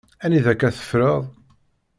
Anida akk-a teffreḍ?